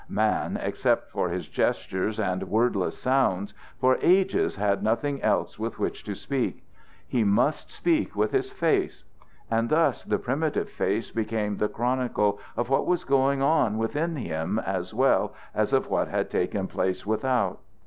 Man, except for his gestures and wordless sounds, for ages had nothing else with which to speak; he must speak with his face. And thus the primitive face became the chronicle of what was going on within him as well as of what had taken place without.